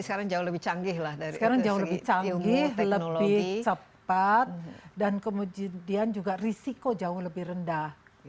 sekarang jauh lebih canggih lebih cepat dan kemudian juga risiko jauh lebih rendah